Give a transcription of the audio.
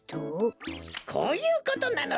こうゆうことなのだ！